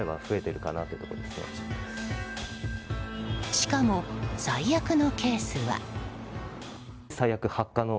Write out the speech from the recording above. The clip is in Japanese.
しかも、最悪のケースは。